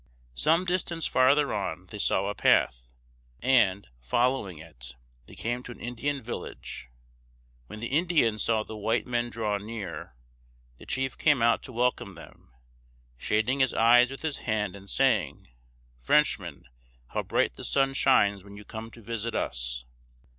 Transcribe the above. Some distance farther on they saw a path, and, following it, they came to an Indian village. When the Indians saw the white men draw near, the chief came out to welcome them, shading his eyes with his hand, and saying: "Frenchmen, how bright the sun shines when you come to visit us!"